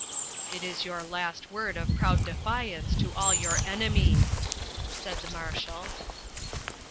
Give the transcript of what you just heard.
"It is your last word of proud defiance to all your enemies," said the Marshal.